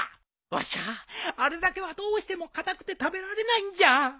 わしゃあれだけはどうしても硬くて食べられないんじゃ。